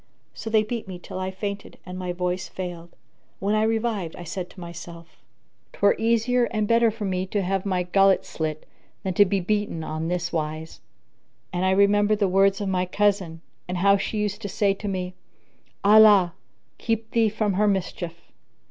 So they beat me till I fainted and my voice failed. When I revived, I said to myself, " 'Twere easier and better for me to have my gullet slit than to be beaten on this wise!" And I remembered the words of my cousin, and how she used to say to me, "Allah, keep thee from her mischief!"